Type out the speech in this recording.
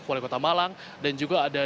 wali kota malang dan juga ada